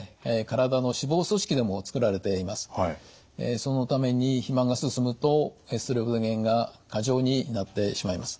そのために肥満が進むとエストロゲンが過剰になってしまいます。